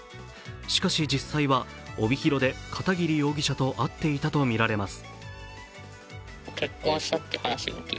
しかし実際は、帯広で片桐容疑者と会っていたとみられています。